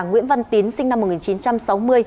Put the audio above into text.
nguyễn văn tín sinh năm một nghìn chín trăm sáu mươi